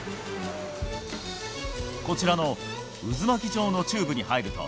こちらの渦巻き状のチューブに入ると、